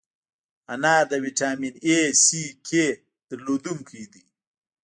انار د ویټامین A، C، K لرونکی دی.